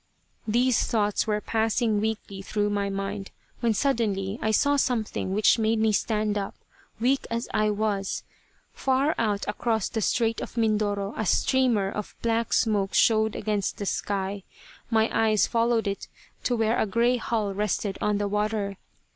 These thoughts were passing weakly through my mind, when suddenly I saw something which made me stand up, weak as I was. Far out across the Strait of Mindoro a streamer of black smoke showed against the sky. My eyes followed it to where a gray hull rested on the water.